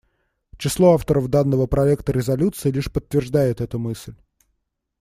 Число авторов данного проекта резолюции лишь подтверждает эту мысль.